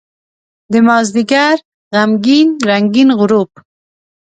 دمازدیګر غمګین رنګین غروب